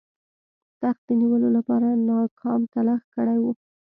تخت د نیولو لپاره ناکام تلاښ کړی وو.